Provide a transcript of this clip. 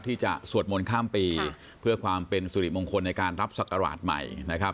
สวดมนต์ข้ามปีเพื่อความเป็นสุริมงคลในการรับศักราชใหม่นะครับ